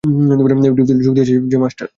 ডিউটিতে যোগ দিয়েছে যে মাস্টার।